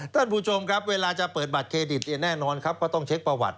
ท่านผู้ชมครับเวลาจะเปิดบัตรเครดิตเนี่ยแน่นอนครับก็ต้องเช็คประวัติ